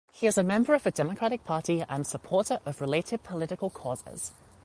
He is a member of the Democratic Party and supporter of related political causes.